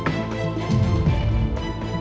อารมณ์